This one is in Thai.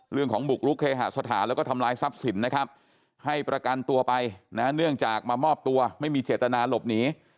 บุกรุกเคหสถานแล้วก็ทำลายทรัพย์สินนะครับให้ประกันตัวไปนะเนื่องจากมามอบตัวไม่มีเจตนาหลบหนี